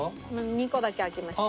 ２個だけ開きました。